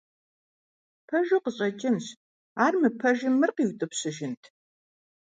Пэжу къыщӀэкӀынщ, ар мыпэжым мыр къиутӀыпщыжынт?